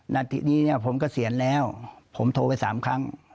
นัดที่นี้เนี้ยผมก็เสียแล้วผมโทรไปสามครั้ง